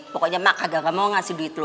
pokoknya mak kagak mau ngasih duit lu